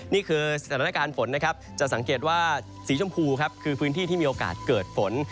นี่คือสถานการณ์ฝนนะครับจะสังเกตว่าสีชมพูครับคือพื้นที่ที่มีโอกาสเกิดฝน